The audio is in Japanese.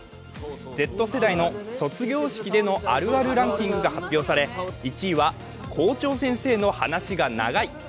Ｚ世代の卒業式でのあるあるランキングが発表され１位は、校長先生の話が長い。